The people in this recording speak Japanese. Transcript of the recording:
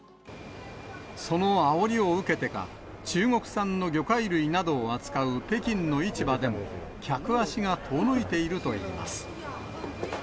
そのあおりを受けてか、中国産の魚介類などを扱う北京の市場でも、客足が遠のいているといいます。